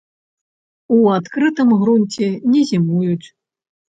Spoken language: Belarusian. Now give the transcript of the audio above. У адкрытым грунце не зімуюць.